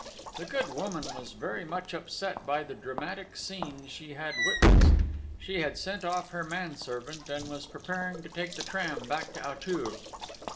The good woman was very much upset by the dramatic scene she had witnessed. She had sent off her manservant, and was preparing to take the tram back to Auteuil.